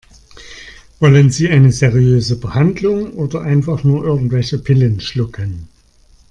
Wollen Sie eine seriöse Behandlung oder einfach nur irgendwelche Pillen schlucken?